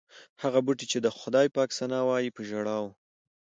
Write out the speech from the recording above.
هغه بوټي چې د خدای پاک ثنا وایي په ژړا و.